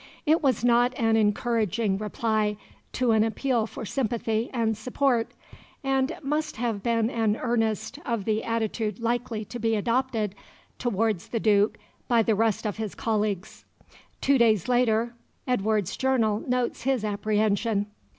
It was not an encouraging reply to an appeal for sympathy and support, and must have been an earnest of the attitude likely to be adopted towards the Duke by the rest of his colleagues. Two days later Edward's journal notes his apprehension.